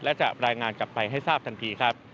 และจะรายงานกลับไปให้ทราบทันทีครับ